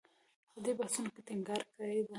په دې بحثونو کې ټینګار کېده